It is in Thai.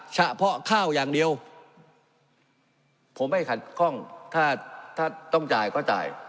เฉพาะข้าวอย่างเดียวผมไม่ขัดข้องถ้าถ้าต้องจ่ายก็จ่าย